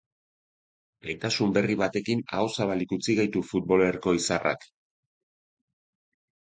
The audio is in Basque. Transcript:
Gaitasun berri batekin aho zabalik utzi gaitu futbolerko izarrak.